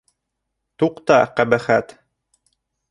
Туҡта, ҡәбәхәт!..